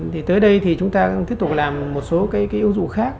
thì tới đây thì chúng ta tiếp tục làm một số cái ứng dụng khác